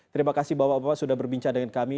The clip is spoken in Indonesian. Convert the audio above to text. terima kasih bapak bapak sudah berbincang dengan kami